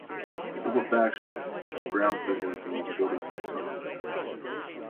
Liquefaction and ground fissures were reported from several areas.